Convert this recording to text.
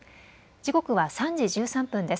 時刻は３時１３分です。